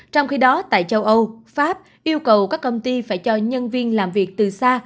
trong khi đó tại châu âu pháp yêu cầu các công ty phải cho nhân viên làm việc từ xa